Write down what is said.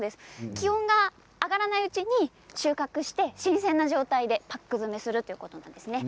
気温が上がらないうちに収穫して新鮮な状態でパック詰めするということです。